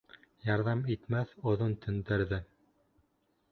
Ярҙам итмәҫ оҙон төндәр ҙә.